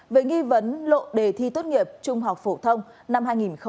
về nghi vấn lộ đề thi tốt nghiệp trung học phổ thông năm hai nghìn hai mươi